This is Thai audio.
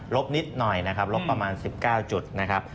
บนิดหน่อยนะครับลบประมาณ๑๙จุดนะครับ